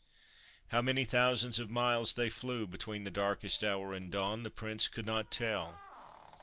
How many thousands of miles they flew between the darkest hour and dawn, the Prince could not tell.